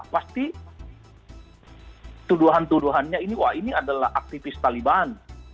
pasti tuduhan tuduhannya ini wah ini adalah aktivis taliban